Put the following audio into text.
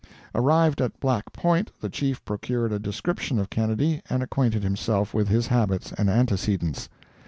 Arrived at Black Point, the Chief procured a description of Kennedy, and acquainted himself with his habits and antecedents.